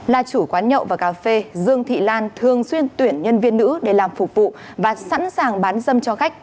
là chủ quán nhậu và cà phê dương thị lan thường xuyên tuyển nhân viên nữ để làm phục vụ và sẵn sàng bán dâm cho khách